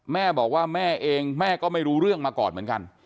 แม่บอกว่าแม่เองแม่ก็ไม่รู้เรื่องมาก่อนเหมือนกัน